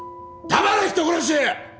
黙れ人殺し！